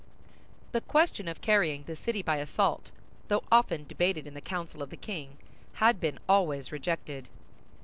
The question of carrying the city by assault, though often debated in the council of the king, had been always rejected.